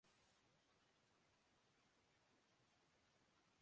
آل parties conference اور مذہب کی سیاست کیا مذہب کو